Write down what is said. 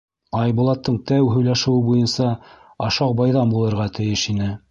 Айбулаттың тәү һөйләшеүе буйынса ашау байҙан булырға тейеш ине.